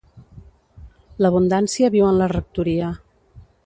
L'abundància viu en la rectoria.